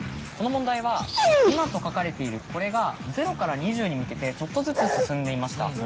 この問題は「今」と書かれているこれが０から２０に向けてちょっとずつ進んでいました。